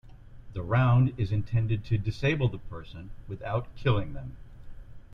The round is intended to disable the person without killing them.